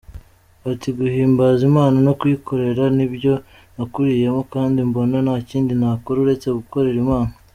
Ati”Guhimbaza Imana no kuyikorera nibyo nakuriyemo kandi mbona ntakindi nakora uretse gukorera Imana.